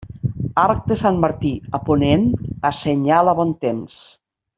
Arc de Sant Martí a ponent assenyala bon temps.